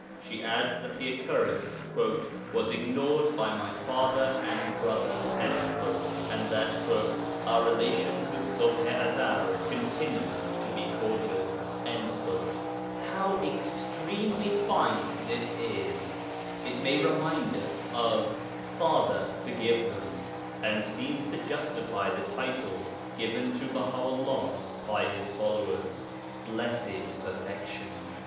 She adds that the occurrence 'was ignored by my father and brother,' and that 'our relations with Ṣubḥ i Ezel continued to be cordial.' How extremely fine this is! It may remind us of 'Father, forgive them,' and seems to justify the title given to Baha 'ullah by his followers, 'Blessed Perfection.'